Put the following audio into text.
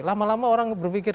lama lama orang berpikir